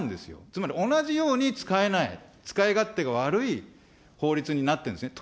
つまり同じように使えない、使い勝手が悪い法律になってるんですね。